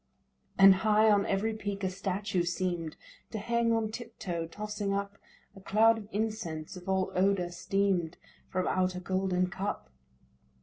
And high on every peak a statue seem'd To hang on tiptoe, tossing up A cloud of incense of all odour steam'd From out a golden cup.